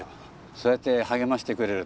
そうやって励ましてくれる。